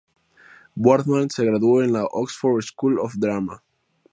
Boardman se graduó en la "Oxford School of Drama".